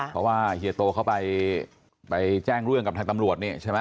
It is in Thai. เพราะว่าเฮียโตเขาไปแจ้งเรื่องกับทางตำรวจนี่ใช่ไหม